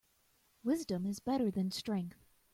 Wisdom is better than strength.